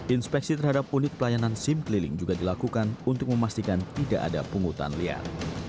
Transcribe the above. inspeksi terhadap unit pelayanan sim keliling juga dilakukan untuk memastikan tidak ada pungutan liar